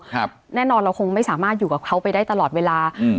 ครับแน่นอนเราคงไม่สามารถอยู่กับเขาไปได้ตลอดเวลาอืม